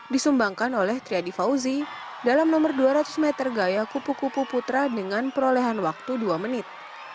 disumbangkan oleh triadi fauzi dalam nomor dua ratus meter gaya kupu kupu putra dengan perolehan waktu dua menit